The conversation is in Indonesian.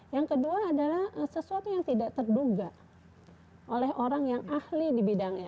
yang kedua adalah sesuatu yang tidak terduga oleh orang yang ahli di bidangnya